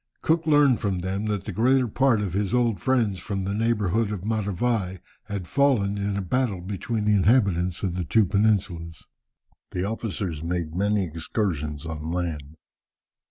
Cook learned from them that the greater part of his old friends from the neighbourhood of Matavai had fallen in a battle between the inhabitants of the two peninsulas. The officers made many excursions on land.